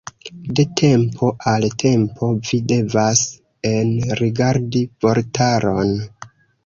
De tempo al tempo vi devas enrigardi vortaron.